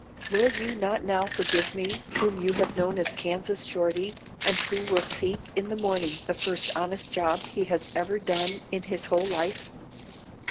Will you not now forgive me, whom you have known as Kansas Shorty, and who will seek in the morning the first honest job he has ever done in his whole life?"